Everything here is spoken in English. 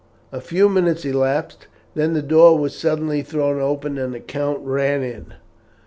A few minutes elapsed, then the door was suddenly thrown open and the count ran in.